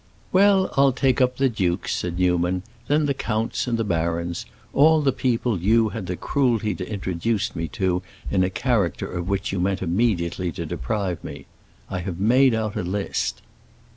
"Well, I'll take up the dukes," said Newman. "Then the counts and the barons—all the people you had the cruelty to introduce me to in a character of which you meant immediately to deprive me. I have made out a list."